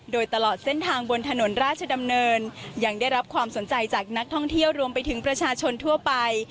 โดยตลอดเส้นทางบนถนนราชดำเนินยังได้รับความสนใจจากนักท่องเที่ยวรวมไปถึงประชาชนทั่วไป